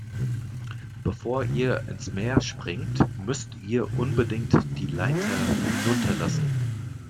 Bevor ihr ins Meer springt, müsst ihr unbedingt die Leiter hinunterlassen.